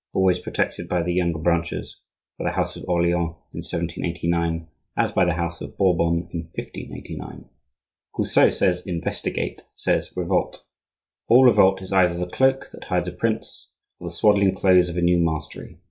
always protected by the younger branches, by the house of Orleans in 1789, as by the house of Bourbon in 1589. Whoso says "Investigate" says "Revolt." All revolt is either the cloak that hides a prince, or the swaddling clothes of a new mastery.